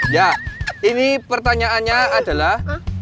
ya ini pertanyaannya adalah